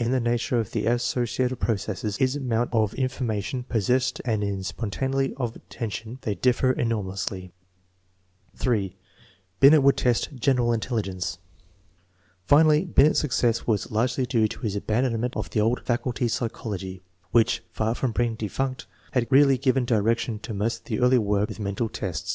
iu the nature of the associative processes, in amount of information possessed, and in spontaneity of attention, they differ enormously, iL It i net tttwW feat general infellltjernr^ Finally, Hinofs success was largely due to his abandonment of the older faculty psychology" which, fur from being defunct, had really given direction to most of the earlier work with mental tests.